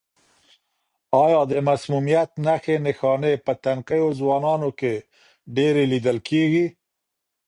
آیا د مسمومیت نښې نښانې په تنکیو ځوانانو کې ډېرې لیدل کیږي؟